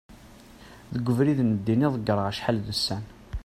deg ubrid n ddin i ḍegreɣ acḥal d ussan